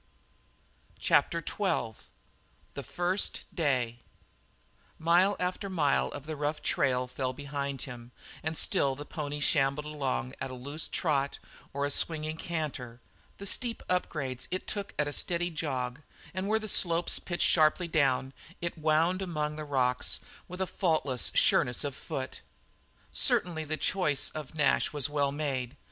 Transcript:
CHAPTER XII THE FIRST DAY Mile after mile of the rough trail fell behind him, and still the pony shambled along at a loose trot or a swinging canter; the steep upgrades it took at a steady jog and where the slopes pitched sharply down, it wound among the rocks with a faultless sureness of foot. Certainly the choice of Nash was well made.